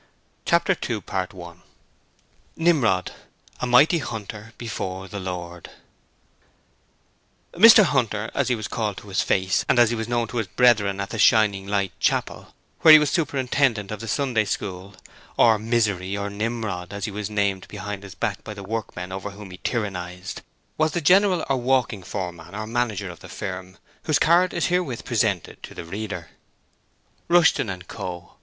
Chapter 2 Nimrod: a Mighty Hunter before the Lord Mr Hunter, as he was called to his face and as he was known to his brethren at the Shining Light Chapel, where he was superintendant of the Sunday School, or 'Misery' or 'Nimrod'; as he was named behind his back by the workmen over whom he tyrannized, was the general or walking foreman or 'manager' of the firm whose card is herewith presented to the reader: RUSHTON & CO.